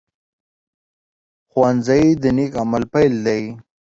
ښوونځی د نیک عمل پيل دی